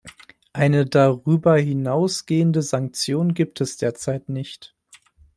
Eine darüber hinausgehende Sanktion gibt es derzeit nicht.